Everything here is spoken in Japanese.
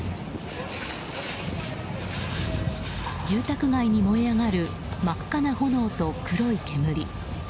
住宅街に燃え上がる真っ赤な炎と黒い煙。